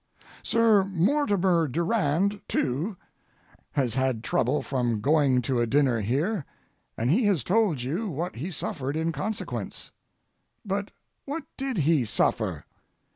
Sir Mortimer Durand, too, has had trouble from going to a dinner here, and he has told you what he suffered in consequence. But what did he suffer?